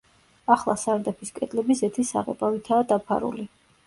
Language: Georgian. ახლა სარდაფის კედლები ზეთის საღებავითაა დაფარული.